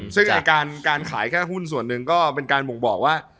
ซึ่งการขายแค่หุ้นส่วนหนึ่งก็เป็นการบ่งบอกว่า